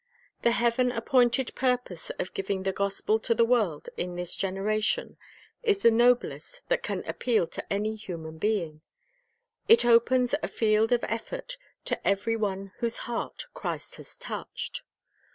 The heaven appointed purpose of giving the gospel to the world in this generation is the noblest that can appeal to any human being. It opens a field of effort to every one whose heart Christ has touched.